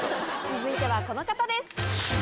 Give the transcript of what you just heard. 続いてはこの方です。